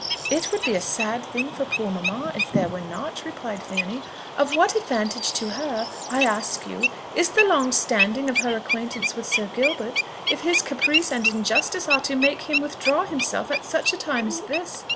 "It would be a sad thing for poor mamma if there were not," replied Fanny. "Of what advantage to her, I ask you, is the long standing of her acquaintance with Sir Gilbert, if his caprice and injustice are to make him withdraw himself at such a time as this?